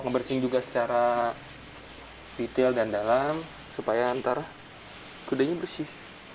ngebersih juga secara detail dan dalam supaya nanti kudanya bersih